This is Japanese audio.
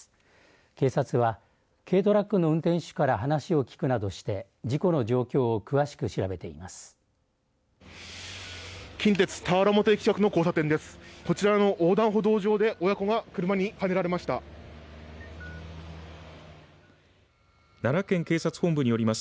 警察は軽トラックの運転手から話を聞くなどして事故の状況を詳しく調べています。